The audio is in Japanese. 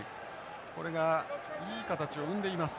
これがいい形を生んでいます。